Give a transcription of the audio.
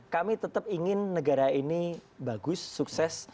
kami tetap ingin negara ini bagus sukses